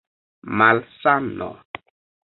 malsano